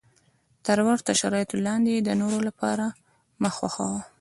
تر ورته شرایطو لاندې یې د نورو لپاره مه خوښوه.